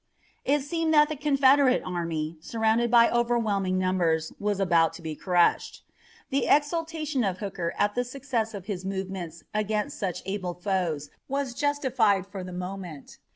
It seemed that the Confederate army, surrounded by overwhelming numbers, was about to be crushed. The exultation of Hooker at the success of his movements against such able foes was justified for the moment.